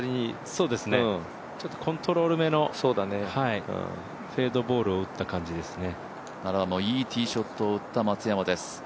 ちょっとコントロール目のフェードボールを打った感じですね。